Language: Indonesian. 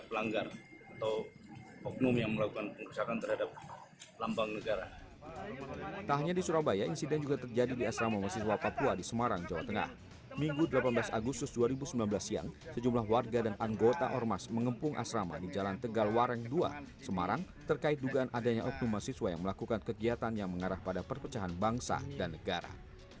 mata mata hanya kegiatan penindakan terhadap pelanggar atau oknum yang melakukan pengusakan terhadap lambang negara